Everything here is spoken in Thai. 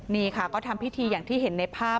นี่ค่ะก็ทำพิธีอย่างที่เห็นในภาพ